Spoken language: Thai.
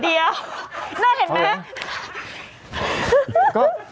เดี๋ยวน่าเห็นไหมคะ